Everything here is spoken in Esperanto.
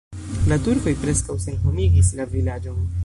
La turkoj preskaŭ senhomigis la vilaĝon.